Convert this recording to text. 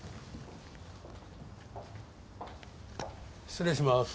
失礼します。